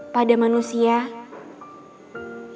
pada manusia yang dihormati